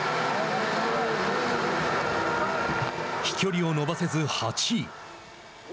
飛距離を伸ばせず８位。